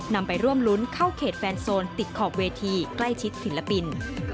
นำไปร่วมรุ้นเข้าเขตแฟนโซนติดขอบเวทีใกล้ชิดศิลปิน